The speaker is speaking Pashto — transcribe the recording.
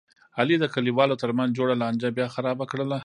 علي د کلیوالو ترمنځ جوړه لانجه بیا خرابه کړله.